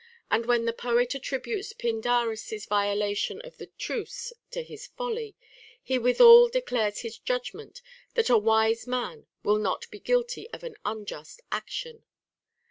And when the poet attrib utes Pindarus's violation of the truce to his folly, he withal declares his judgment that a wise man will not be guilty of an unjust action.